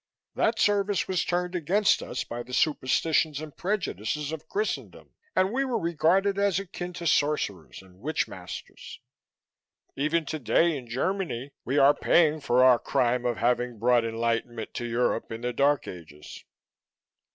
That service was turned against us by the superstitions and prejudices of Christendom and we were regarded as akin to sorcerers and witch masters. Even today in Germany, we are paying for our crime of having brought enlightenment to Europe in the Dark Ages."